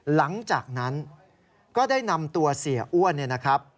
หลังจากนั้นก็ได้นำตัวเสียอ้วน